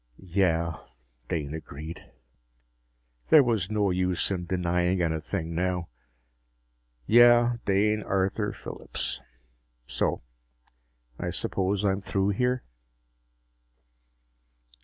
"Yeah," Dane agreed. There was no use in denying anything now. "Yeah, Dane Arthur Phillips. So I suppose I'm through here?"